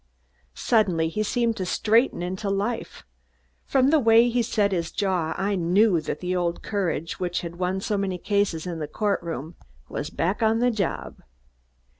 Suddenly he seemed to straighten into life. From the way he set his jaw, I knew that the old courage, which had won so many cases in the court room, was back on the job.